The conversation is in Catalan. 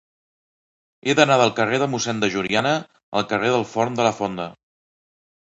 He d'anar del carrer de Mossèn Juliana al carrer del Forn de la Fonda.